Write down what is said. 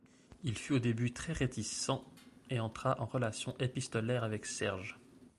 Il fut au début très réticent, et entra en relation épistolaire avec Serge.